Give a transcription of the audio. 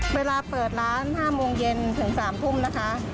เวลาเปิดร้าน๕โมงเย็นถึง๓ทุ่มนะคะ